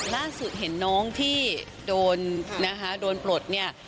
ล่าสุดเห็นน้องที่โดนนะคะโดนปลดเนี่ย